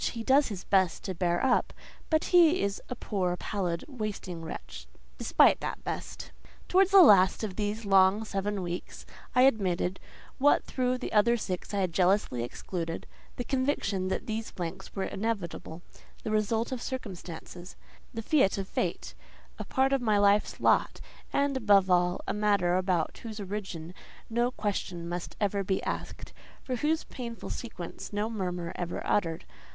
He does his best to bear up, but he is a poor, pallid, wasting wretch, despite that best. Towards the last of these long seven weeks I admitted, what through the other six I had jealously excluded—the conviction that these blanks were inevitable: the result of circumstances, the fiat of fate, a part of my life's lot and—above all—a matter about whose origin no question must ever be asked, for whose painful sequence no murmur ever uttered.